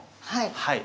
はい。